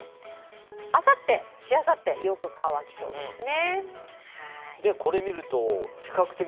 あさって、しあさってよく乾きそうですね。